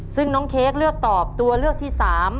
ซึ่งน้องเค้กเลือกตอบตัวเลือกที่๓